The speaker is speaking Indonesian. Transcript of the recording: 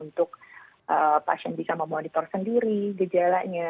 untuk pasien bisa memonitor sendiri gejalanya